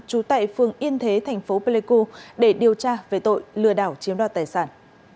trú tại phường yên thế thành phố pleiku để điều tra về tội lừa đảo chiếm đoạt tài sản